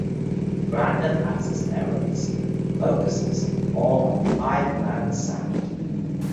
Random Access Memories focuses more on a "live band" sound.